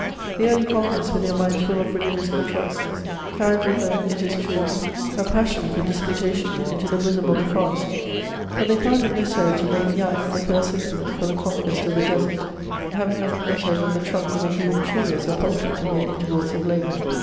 The early colonists, with their minds full of religious controversies, carried with them, it is true, a passion for disputation into the bosom of the forest ; but they found it necessary to make the axe the first im plement for the conquest of the desert, having nothing better than the trunk of a hewn tree as a pulpit in their intervals of labour.